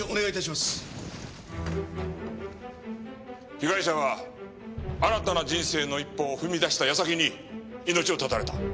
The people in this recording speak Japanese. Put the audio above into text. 被害者は新たな人生の一歩を踏み出した矢先に命を絶たれた。